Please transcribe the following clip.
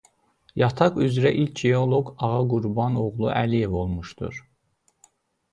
Yataq üzrə ilk geoloq Ağa Qurban oğlu Əliyev olmuşdur.